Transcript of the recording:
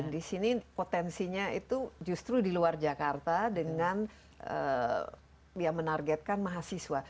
maksudnya potensinya itu justru di luar jakarta dengan dia menargetkan mahasiswa